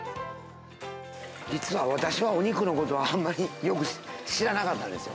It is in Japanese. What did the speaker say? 実は私はお肉のことは、あんまりよく知らなかったんですよ。